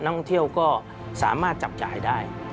ท่องเที่ยวก็สามารถจับจ่ายได้